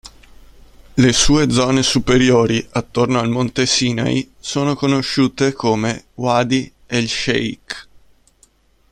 Le sue zone superiori, attorno al Monte Sinai, sono conosciute come "Wadi el-Sheikh".